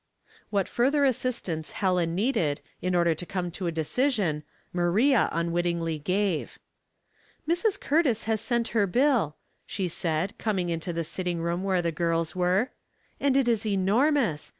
What further assistance Helen needed, in order to come to a decision, Maria unwittingly gave. " Mrs. Curtiss has sent her bill," she said, com ing into the sitting room where the girls were. "And it is enormous.